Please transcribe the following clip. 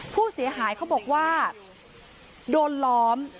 ผู้เสียหายเขาบอกว่าโดนล้อม